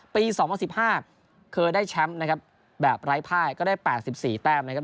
ปี๒๐๑๕เคยได้แชมป์นะครับแบบไร้ภายก็ได้๘๔แต้มนะครับ